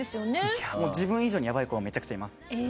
いやもう自分以上にやばい子がめちゃくちゃいます。